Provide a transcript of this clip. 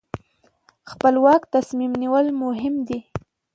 خپلواک تصمیم نیول مهم دي.